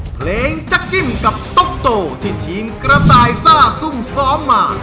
จักกิ้มกับต๊กโตที่ทีมกระต่ายซ่าซุ่มซ้อมมา